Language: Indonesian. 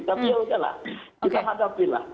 tapi yaudah lah kita hadapilah